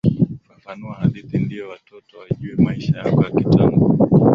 Fafanua hadithi ndio watoto wajue maisha yako ya kitambo.